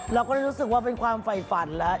เราก็ได้รู้สึกว่าเป็นความไฟฟันแล้ว